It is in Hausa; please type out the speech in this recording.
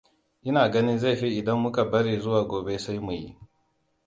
Ina ganin zai fi idan muka bari zuwa gobe sai mu yi.